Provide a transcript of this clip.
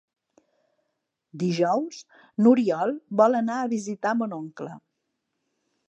Dijous n'Oriol vol anar a visitar mon oncle.